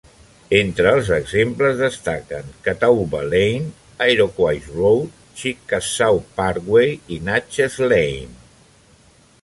Entre els exemples destaquen Catawba Lane, Iroquois Road, Chickasaw Parkway i Natchez Lane.